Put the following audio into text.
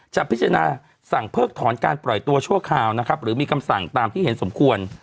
จะพิจารณาสั่งเพิกถอนการปล่อยตัวชั่วคราวนะครับหรือมีคำสั่งตามที่เห็นสมควร